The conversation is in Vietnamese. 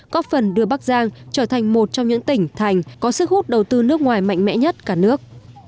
có phần đưa bắc giang trở thành một trong những tỉnh thành có sức hút đầu tư nước ngoài mạnh mẽ nhất cả nước